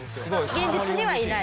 現実にはいない？